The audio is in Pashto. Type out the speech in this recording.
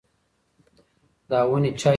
دا ونې چا ایښې دي؟